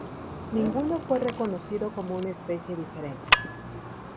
Ninguno fue reconocido como una especie diferente.